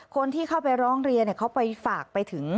คนที่เข้าไปร้องเรียนเขาไปฝากไปถึง